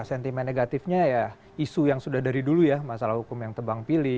sentimen negatifnya ya isu yang sudah dari dulu ya masalah hukum yang tebang pilih